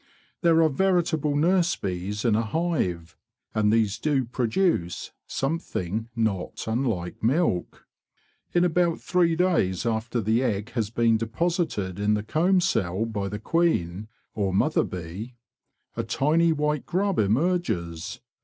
There are veritable nurse bees in a hive, and these do produce some thing not unlike milk. In about three days after the egg has been deposited in the comb cell by the queen, or mother bee, a tiny white grub emerges.